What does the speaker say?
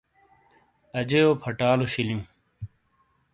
اَجیؤ پھَٹالو شُلِیوں۔